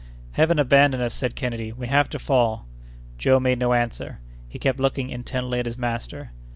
"Heaven abandons us!" said Kennedy; "we have to fall!" Joe made no answer. He kept looking intently at his master.